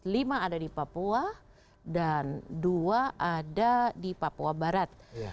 lima ada di papua dan dua ada di papua barat